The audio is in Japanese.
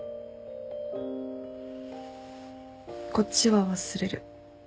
こっちは忘れる。